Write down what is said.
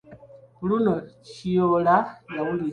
Ku luno Kiyoola yawulira.